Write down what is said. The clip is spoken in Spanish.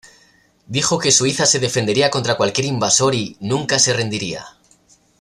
Dijo que Suiza se defendería contra cualquier invasor y "nunca se rendiría".